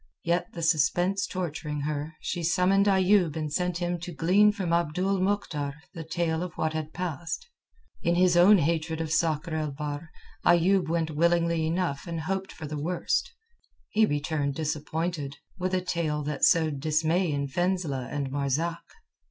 Yet, the suspense torturing her, she summoned Ayoub and sent him to glean from Abdul Mohktar the tale of what had passed. In his own hatred of Sakr el Bahr, Ayoub went willingly enough and hoping for the worst. He returned disappointed, with a tale that sowed dismay in Fenzileh and Marzak.